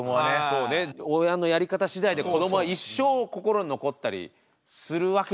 そうね親のやり方しだいで子どもは一生心に残ったりするわけですよこれ。